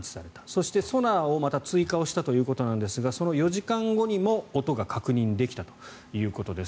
そして、ソナーをまた追加をしたということなんですがその４時間後にも音が確認できたということです。